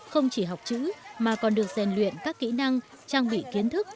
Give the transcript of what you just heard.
không chỉ học chữ mà còn được rèn luyện các kỹ năng trang bị kiến thức